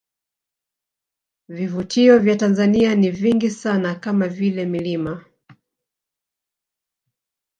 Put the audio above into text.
Vivutio vya Tanzania ni vingi sana kama vile milima